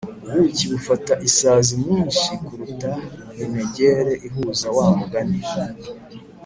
ubuki bufata isazi nyinshi kuruta vinegere ihuza wa mugani